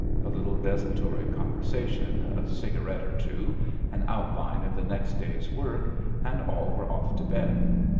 A little desultory conversation, a cigarette or two, an outline of the next day's work, and all were off to bed.